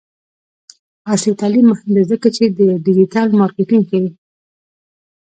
عصري تعلیم مهم دی ځکه چې د ډیجیټل مارکیټینګ ښيي.